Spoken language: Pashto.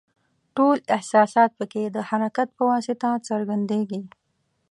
ټول احساسات پکې د حرکت په واسطه څرګندیږي.